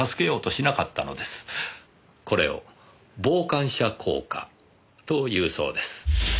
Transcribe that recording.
これを「傍観者効果」というそうです。